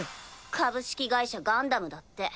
「株式会社ガンダム」だって。